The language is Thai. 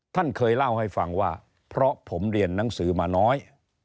ท่านเคยเล่าให้ฟังว่าเพราะผมเรียนหนังสือมาน้อย